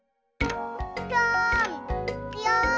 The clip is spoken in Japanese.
ぴょんぴょん。